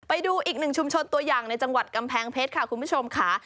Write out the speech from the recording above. ไปดูอีกหนึ่งชุมชนตัวอย่างในจังหวัดกำแพงเพชรค่ะคุณผู้ชมค่ะ